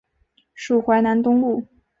属淮南东路。